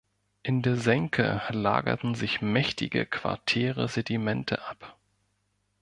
In der Senke lagerten sich mächtige quartäre Sedimente ab.